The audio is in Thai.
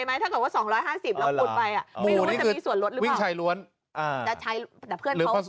ไม่รู้ว่ามีส่วนลดหรือเปล่า